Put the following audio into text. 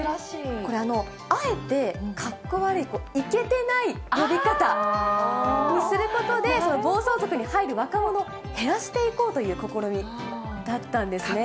これ、あえてかっこつけないイケてない呼び方をすることで、暴走族に入る若者を減らしていこうという試みだったんですね。